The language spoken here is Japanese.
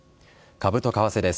株と為替です。